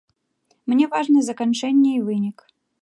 Мне важна заканчэнне і вынік.